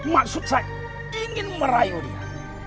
maksud saya ingin merayu dia